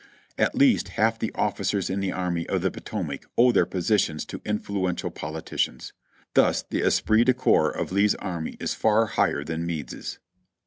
At least half the officers in the Army of the Potomac owe their positions to influential politicians. Thus the esprit de corps of Lee's army is far higher than Meade's."